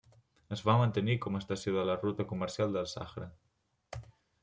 Es va mantenir com a estació de la ruta comercial del Sàhara.